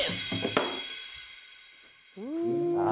さあ！